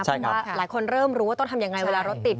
เพราะว่าหลายคนเริ่มรู้ว่าต้องทำยังไงเวลารถติด